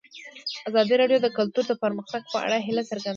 ازادي راډیو د کلتور د پرمختګ په اړه هیله څرګنده کړې.